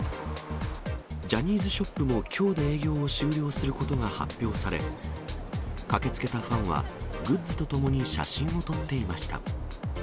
ジャニーズショップもきょうで営業を終了することが発表され、駆けつけたファンは、グッズとともに写真を撮っていました。